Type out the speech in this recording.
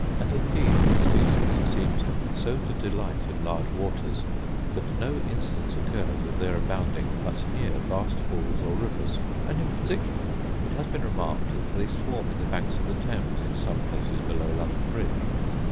And indeed this species seems so to delight in large waters, that no instance occurs of their abounding, but near vast pools or rivers: and in particular it has been remarked that they swarm in the banks of the Thames in some places below London bridge.